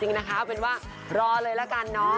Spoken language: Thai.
จริงนะคะเอาเป็นว่ารอเลยละกันเนาะ